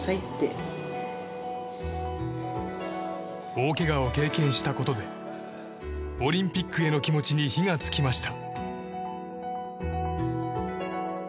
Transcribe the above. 大けがを経験したことでオリンピックへの気持ちに火がつきました。